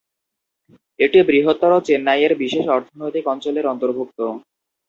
এটি বৃহত্তর চেন্নাইয়ের বিশেষ অর্থনৈতিক অঞ্চলের অন্তর্ভুক্ত।